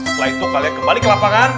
setelah itu kalian kembali ke lapangan